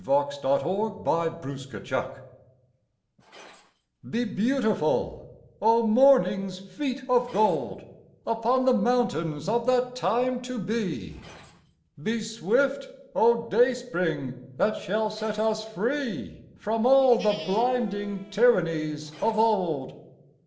ON THE GREAT WAR WAR THE PUTURE Be beautiful, O morning s feet of gold, Upon the mountains of that time to be! Be swift, O day spring that shall set us free From all the blinding tyrannies of old!